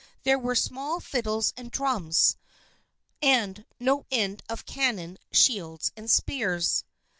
There were small fiddles and drums, and no end of cannon, shields and spears.